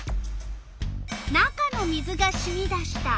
「中の水がしみ出した」。